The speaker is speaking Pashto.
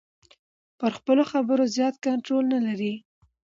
پر خپلو خبرو زیات کنټرول نلري.